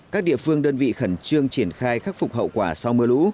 các địa phương đơn vị khẩn trương triển khai khắc phục hậu quả sau mưa lũ